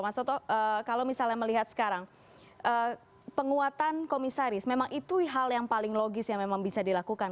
mas toto kalau misalnya melihat sekarang penguatan komisaris memang itu hal yang paling logis yang memang bisa dilakukan